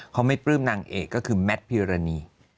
เขาไม่ปลื้มนางเอกก็คือแมทพิวรณี